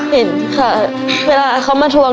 เห็นค่ะเวลาเขามาทวง